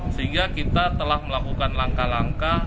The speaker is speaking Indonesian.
sehingga kita telah melakukan langkah langkah